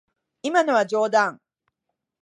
今のは冗談。